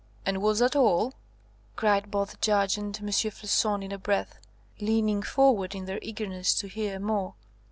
"And was that all?" cried both the Judge and M. Floçon in a breath, leaning forward in their eagerness to hear more.